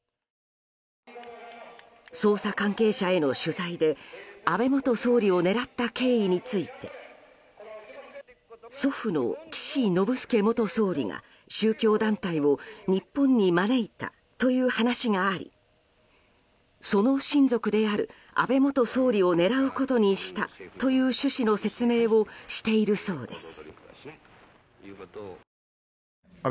捜査関係者への取材で安倍元総理を狙った経緯について祖父の岸信介元総理が宗教団体を日本に招いたという話がありその親族である安倍元総理を狙うことにしたという趣旨の説明をしているそうです。